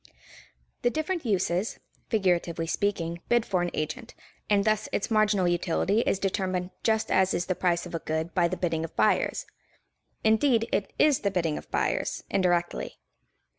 The different uses, figuratively speaking, bid for an agent, and thus its marginal utility is determined just as is the price of a good by the bidding of buyers. Indeed, it is the bidding of buyers, indirectly.